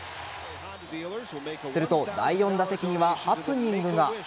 すると第４打席にはハプニングが。